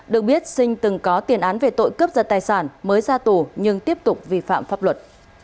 được biết sinh từng có tiền án về tội cướp giật tài sản mới ra tù nhưng tiếp tục vi phạm pháp luật